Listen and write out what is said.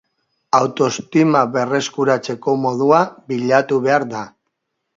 Autoestima berreskuratzeko modua bilatu behar da.